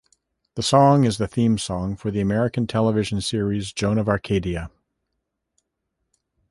The song is the theme song for the American television series "Joan of Arcadia".